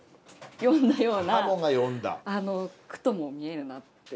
詠んだような句とも見えるなって。